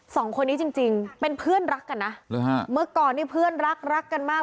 สองคนนี้จริงจริงเป็นเพื่อนรักกันนะหรือฮะเมื่อก่อนนี่เพื่อนรักรักกันมาก